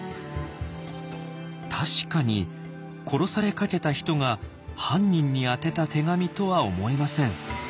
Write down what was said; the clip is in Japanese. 確かに殺されかけた人が犯人に宛てた手紙とは思えません。